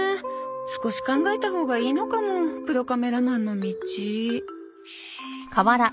少し考えたほうがいいのかもプロカメラマンの道。